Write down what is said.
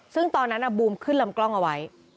ซึ่งตอนนั้นบูมขึ้นลำกล้องเอาไว้